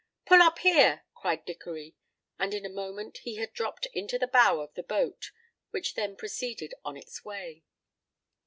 "Pull up here," cried Dickory, and in a moment he had dropped into the bow of the boat, which then proceeded on its way.